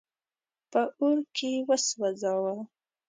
په اور کي وسوځاوه.